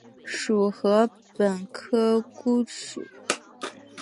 属禾本科菰属。